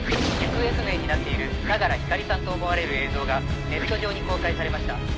行方不明になっている相良光莉さんと思われる映像がネット上に公開されました。